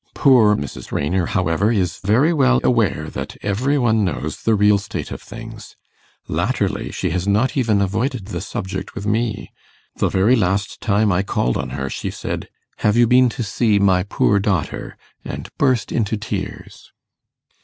Poor Mrs. Raynor, however, is very well aware that every one knows the real state of things. Latterly, she has not even avoided the subject with me. The very last time I called on her she said, "Have you been to see my poor daughter?" and burst into tears.